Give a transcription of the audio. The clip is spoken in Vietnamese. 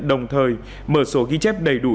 đồng thời mở số ghi chép đầy đủ